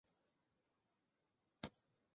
伊斯兰教法是卡塔尔立法的主要来源和依据。